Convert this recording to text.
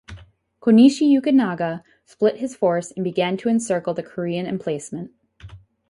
Konishi Yukinaga split his force and began to encircle the Korean emplacement.